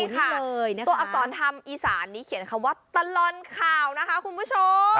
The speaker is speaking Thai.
ใช่ค่ะตัวอักษรธรรมอีสานนี้เขียนคำว่าตลอดข่าวนะคะคุณผู้ชม